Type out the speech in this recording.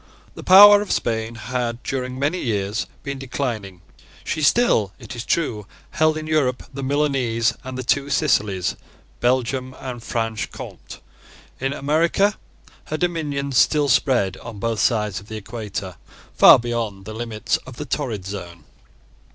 The power of Spain had, during many years, been declining. She still, it is true held in Europe the Milanese and the two Sicilies, Belgium, and Franche Comte. In America her dominions still spread, on both sides of the equator, far beyond the limits of the torrid zone.